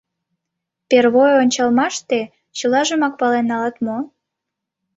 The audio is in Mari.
Первой ончалмаште чылажымак пален налат мо?